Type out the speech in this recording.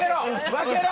分けろ！